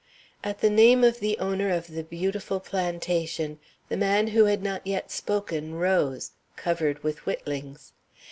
At the name of the owner of the beautiful plantation the man who had not yet spoken rose, covered with whittlings.